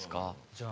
・じゃあ。